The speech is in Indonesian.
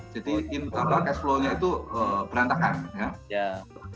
jadi in the long run cash flow nya itu berantakan